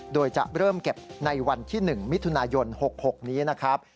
โดยจะเริ่มเก็บในวันที่๑มิถุนายน๖๖นี้นะครับ